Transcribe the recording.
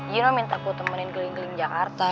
gino minta aku temenin geling geling jakarta